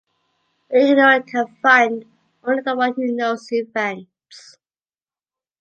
The ignorant can find, only the one who knows invents.